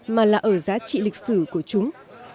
mà là ở giá trị lịch sử của chúng